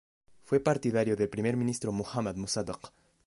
Fue partidario del Primer ministro Mohammad Mosaddeq.